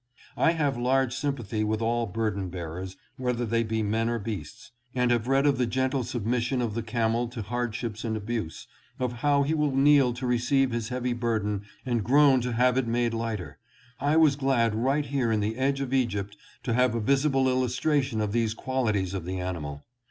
I have large sympathy with all burden bearers, whether they be men or beasts, and having read of the gentle submission of the camel to hardships and abuse, of how he will kneel to receive his heavy burden and groan to have it made lighter, I was glad right here in the edge of Egypt to have a visible illus THE LAND OF THE PHARAOHS. 707 tration of these qualities of the animal.